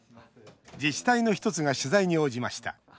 自治体の１つが取材に応じました。